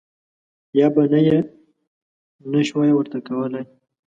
یا به یې نه شوای ورته کولای.